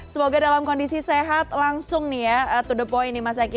semoga dalam kondisi sehat langsung nih ya to the point nih mas eki